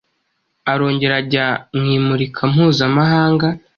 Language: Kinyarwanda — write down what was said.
Arongera ajya mu imurika mpuzamahanga